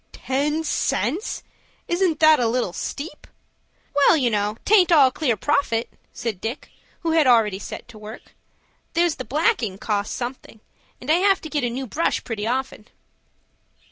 "Ten cents! Isn't that a little steep?" "Well, you know 'taint all clear profit," said Dick, who had already set to work. "There's the blacking costs something, and I have to get a new brush pretty often."